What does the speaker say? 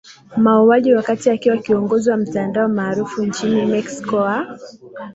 mauaji wakati akiwa kiongozi wa mtandao maarufu nchini Mexico wa